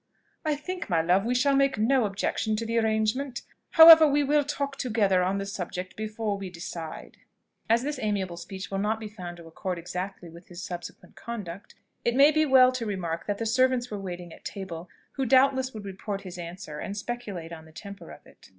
I think, my love, we shall make no objection to the arrangement: however, we will talk together on the subject before we decide." As this amiable speech will not be found to accord exactly with his subsequent conduct, it may be well to remark that the servants were waiting at table, who doubtless would report his answer, and speculate on the temper of it.